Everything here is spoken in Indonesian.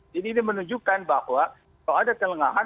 jadi ini menunjukkan bahwa kalau ada kelengahan